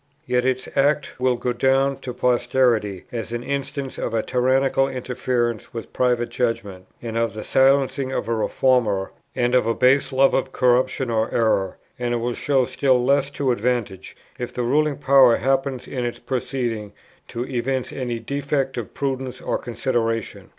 Yet its act will go down to posterity as an instance of a tyrannical interference with private judgment, and of the silencing of a reformer, and of a base love of corruption or error; and it will show still less to advantage, if the ruling power happens in its proceedings to evince any defect of prudence or consideration.